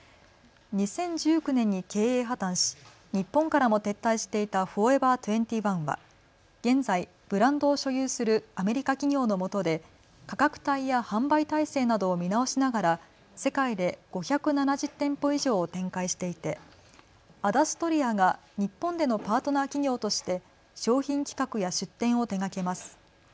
２０１９年に経営破綻し日本からも撤退していたフォーエバー２１は現在、ブランドを所有するアメリカ企業のもとで価格帯や販売体制などを見直しながら世界で５７０店舗以上を展開していてアダストリアが日本でのパートナー企業として商品企画や出店を手がけます。